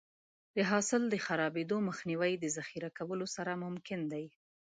د حاصل د خرابېدو مخنیوی د ذخیره کولو سره ممکن دی.